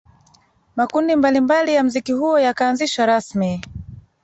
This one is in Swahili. Makundi mbalimbali ya mziki huo yakaanzishwa rasmi